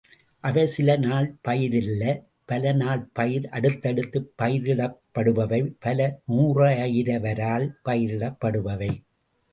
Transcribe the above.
அவை சில நாள் பயிரல்ல பல நாள் பயிர் அடுத்தடுத்துப் பயிரிடப்படுபவை பல நூறாயிரவரால் பயிரிடப்படுபவை.